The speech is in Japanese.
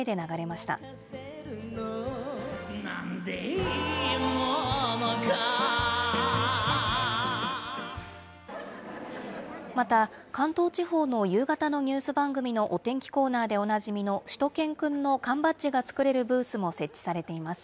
また関東地方の夕方のニュース番組のお天気コーナーでおなじみの、しゅと犬くんの缶バッジが作れるブースも設置されています。